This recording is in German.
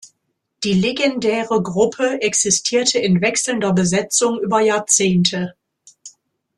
Die legendäre Gruppe existierte in wechselnder Besetzung über Jahrzehnte.